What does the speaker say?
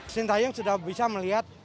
sinta yong sudah bisa melihat